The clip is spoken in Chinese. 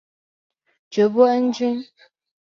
爵波恩君。